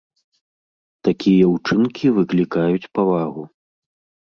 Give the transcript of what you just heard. Такія ўчынкі выклікаюць павагу.